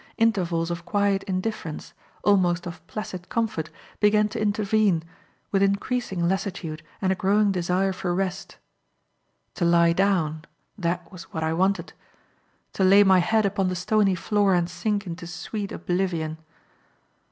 Intervals of quiet indifference almost of placid comfort began to intervene, with increasing lassitude and a growing desire for rest. To lie down; that was what I wanted. To lay my head upon the stony floor and sink into sweet oblivion.